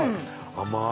甘い！